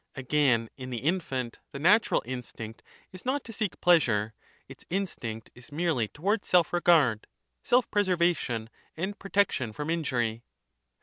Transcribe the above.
Again in the infant the natural in stinct is not to seek pleasure ; its instinct is merely towards self regard, seif presetvation and protection from injury.